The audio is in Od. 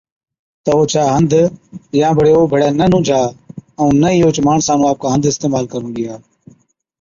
تہ اوڇا هنڌ يان بڙي او ڀيڙَي نہ نُونجھا ائُون نہ ئِي اوهچ ماڻسا نُون آپڪا هنڌ اِستعمال ڪرُون ڏِيا۔